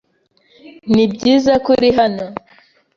Nibyiza ko uri hano.